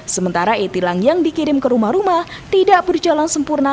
sementara e tilang yang dikirim ke rumah rumah tidak berjalan sempurna